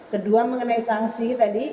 kedua mengenai sanksi tadi